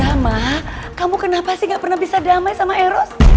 sama kamu kenapa sih gak pernah bisa damai sama eros